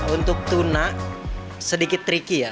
untuk tuna sedikit tricky ya